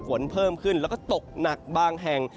ฝนเพิ่มขึ้นแล้วก็ตกหนักบางแห่ง